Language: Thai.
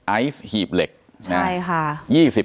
ไอซ์หีบเหล็กใช่ค่ะ